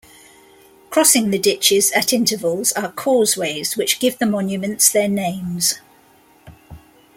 Crossing the ditches at intervals are causeways which give the monuments their names.